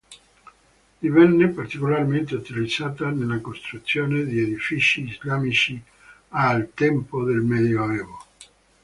Divenne particolarmente utilizzata nella costruzione di edifici islamici al tempo del medioevo.